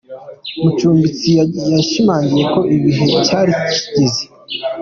Mucumbitsi yashimangiye ko igihe cye cyari kigeze.